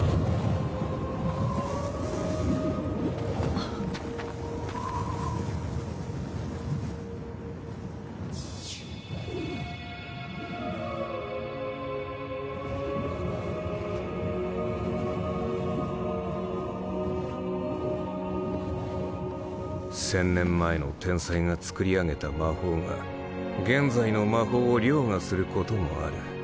あ千年前の天才が作り上げた魔法が現在の魔法を凌駕することもある。